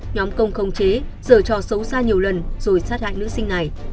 nhóm công không chế dở trò xấu xa nhiều lần rồi sát hại nữ sinh này